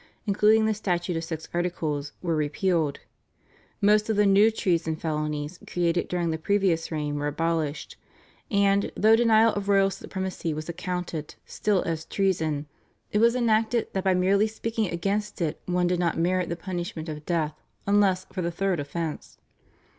including the Statute of Six Articles, were repealed; most of the new treason felonies created during the previous reign were abolished; and, though denial of royal supremacy was accounted still as treason, it was enacted that by merely speaking against it one did not merit the punishment of death unless for the third offence.